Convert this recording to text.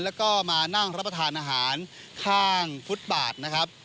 แล้วก็มานั่งรับประทานอาหารข้างฟุตบาทนะครับ